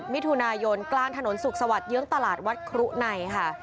มิถุนายนกลางถนนสุขสวัสดิเยื้องตลาดวัดครุในค่ะ